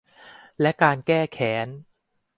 และการแก้แค้น